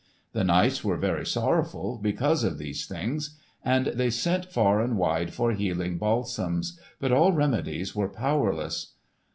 The knights were very sorrowful because of these things, and they sent far and wide for healing balsams, but all remedies were powerless.